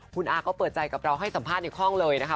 คุณอาก็เปิดใจกับเราให้สัมภาษณ์ในห้องเลยนะคะ